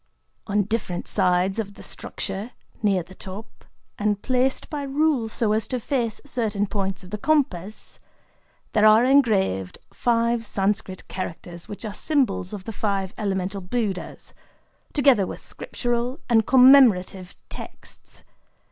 On different sides of the structure,—near the top, and placed by rule so as to face certain points of the compass,—there are engraved five Sanscrit characters which are symbols of the Five Elemental Buddhas, together with scriptural and commemorative texts.